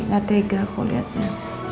gak tega kok liatnya